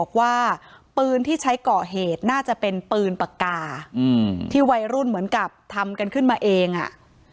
ปากกาอืมที่วัยรุ่นเหมือนกับทำกันขึ้นมาเองอ่ะ